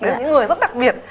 đấy là những người rất đặc biệt